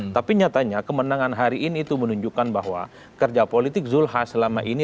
tapi nyatanya kemenangan hari ini itu menunjukkan bahwa kerja politik zulhas selama ini